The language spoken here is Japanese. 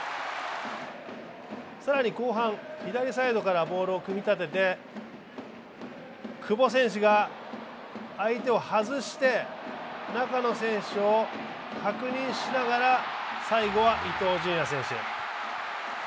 更に後半、左サイドからボールを組み立てて久保選手が相手を外して中の選手を確認しながら最後は伊藤純也選手。